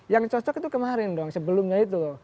yang cocok itu kemarin dong sebelumnya itu